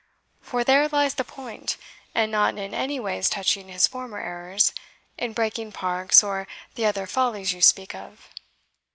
for there lies the point, and not in any ways touching his former errors, in breaking parks, or the other follies you speak of."